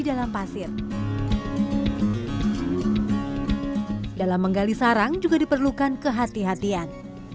dalam menggali sarang juga diperlukan ke hati hatian